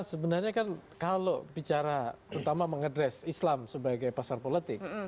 sebenarnya kan kalau bicara terutama mengadres islam sebagai pasar politik